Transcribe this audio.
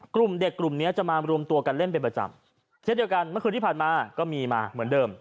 กลุ่มเด็กกลุ่มเนี้ยจะมารวมตัวกันเล่นเป็นประจำเช่นเดียวกันเมื่อคืนที่ผ่านมาก็มีมาเหมือนเดิม